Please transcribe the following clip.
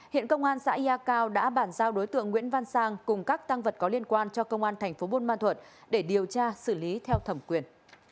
hiện công an xã ya cao đã bản giao đối tượng nguyễn văn sang cùng các tăng vật có liên quan cho công an thành phố buôn ma thuận để điều tra xử lý theo thẩm quyền